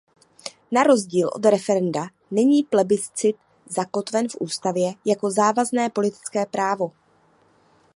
Na rozdíl od referenda není plebiscit zakotven v ústavě jako závazné politické právo.